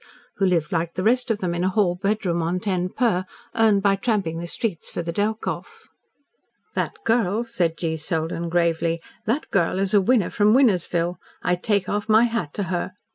who lived like the rest of them in a hall bedroom on ten per, earned by tramping the streets for the Delkoff. "That girl," said G. Selden gravely, "that girl is a winner from Winnersville. I take off my hat to her.